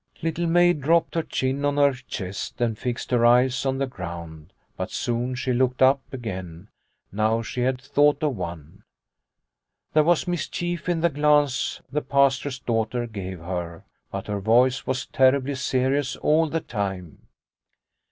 Little Maid dropped her chin on her chest and fixed her eyes on the ground ; but soon she looked up again. Now she had thought of one. The Black Lake 33 There was mischief in the glance the Pastor's daughter gave her, but her voice was terribly serious all the time.